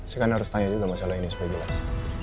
saya kan harus tanya juga masalah ini supaya jelas